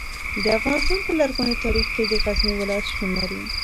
د افغانستان په لرغوني تاریخ کې د غزني ولایت شتون لري.